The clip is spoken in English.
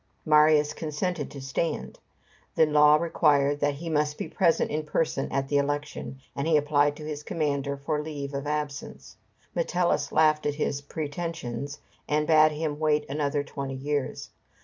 Marius consented to stand. The law required that he must be present in person at the election, and he applied to his commander for leave of absence. Metellus laughed at his pretensions, and bade him wait another twenty years.